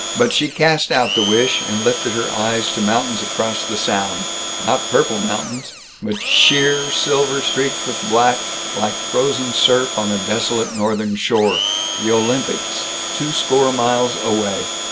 But she cast out the wish, and lifted her eyes to mountains across the sound not purple mountains, but sheer silver streaked with black, like frozen surf on a desolate northern shore the Olympics, two score miles away.